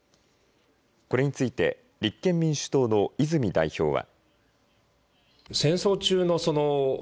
これについて立憲民主党の泉代表は。